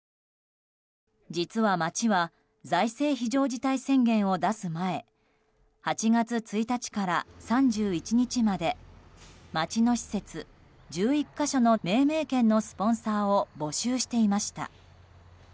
実は町は財政非常事態宣言を出す前８月１日から３１日まで町の施設１１か所の命名権のスポンサーを募集していました。